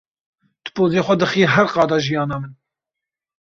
Tu pozê xwe dixî her qada jiyana min.